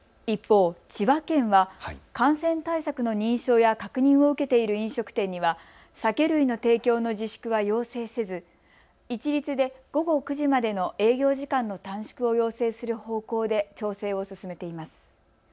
一方、千葉県は感染対策の認証や確認を受けている飲食店には酒類の提供の自粛は要請せず一律で午後９時までの営業時間の短縮を要請する方向で調整を進めています。